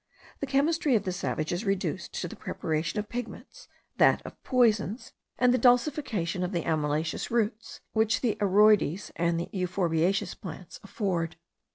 The chemistry of the savage is reduced to the preparation of pigments, that of poisons, and the dulcification of the amylaceous roots, which the aroides and the euphorbiaceous plants afford.